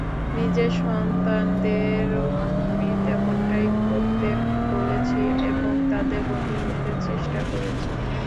নিজের সন্তানদেরও আমি তেমনটাই করতে বলেছি এবং তাদের বন্ধু হতে চেষ্টা করেছি।